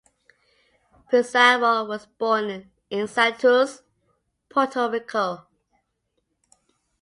Pizarro was born in Santurce, Puerto Rico.